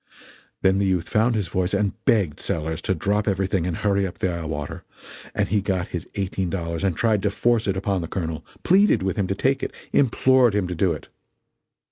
Then the youth found his voice and begged Sellers to drop everything and hurry up the eye water; and he got his eighteen dollars and tried to force it upon the Colonel pleaded with him to take it implored him to do it.